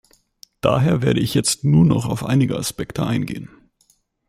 Daher werde ich jetzt nur noch auf einige Aspekte eingehen.